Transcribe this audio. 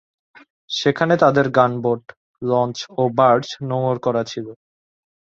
সেখানে তাদের gunboat, launch ও বার্জ নোঙর করা ছিল।